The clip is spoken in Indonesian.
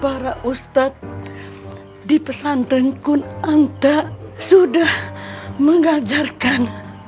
para ustadz di pesantren kunanta sudah mengajarkan